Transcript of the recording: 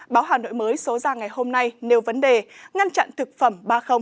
báo hà nội mới số ra ngày hôm nay nêu vấn đề ngăn chặn thực phẩm ba